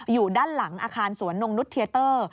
อยู่ด้านหลังอาคารสวนนงนุษย์เทียเตอร์